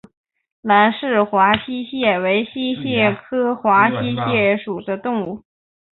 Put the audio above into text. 兰氏华溪蟹为溪蟹科华溪蟹属的动物。